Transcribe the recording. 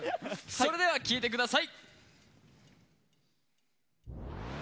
それでは聴いてください。